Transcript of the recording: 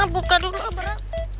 buka dulu abra